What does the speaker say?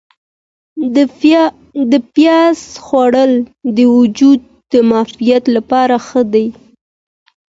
د پیاز خوړل د وجود د معافیت لپاره ښه دي.